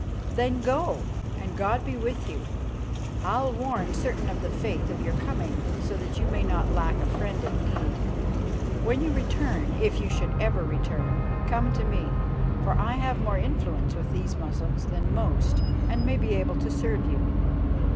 "Then go, and God be with you. I'll warn certain of the faithful of your coming, so that you may not lack a friend at need. When you return, if you should ever return, come to me, for I have more influence with these Moslems than most, and may be able to serve you.